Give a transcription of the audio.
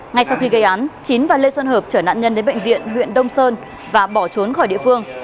ngay sau khi gây án chín và lê xuân hợp trở nạn nhân đến bệnh viện huyện đông sơn và bỏ trốn khỏi địa phương